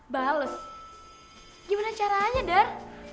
bales gimana caranya dar